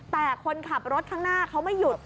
แต่คนขับรถข้างหน้าเขาไม่หยุด